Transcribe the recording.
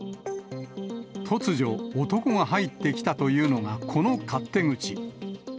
突如、男が入ってきたというのが、この勝手口。